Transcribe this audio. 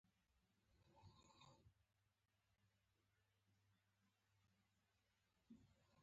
ده خپل ګیلاس په لاس کې نیولی و او ځمکې ته یې کتل.